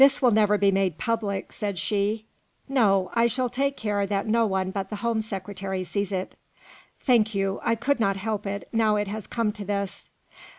"This will never be made public?" said she. "No; I shall take care that no one but the Home Secretary sees it." "Thank you. I could not help it, now it has come to this."